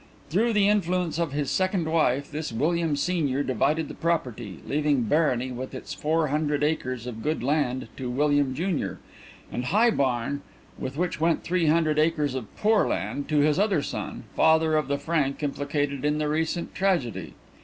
Through the influence of his second wife this William senior divided the property, leaving Barony with its four hundred acres of good land to William junior, and High Barn, with which went three hundred acres of poor land, to his other son, father of the Frank implicated in the recent tragedy.